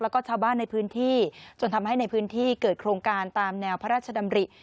แล้วก็ชาวบ้านในพื้นที่จนทำให้ในพื้นที่เกิดโครงการตามแนวพระราชดำริ